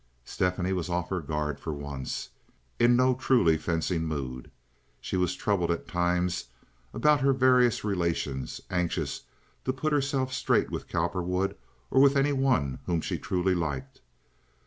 Stephanie was off her guard for once, in no truly fencing mood. She was troubled at times about her various relations, anxious to put herself straight with Cowperwood or with any one whom she truly liked.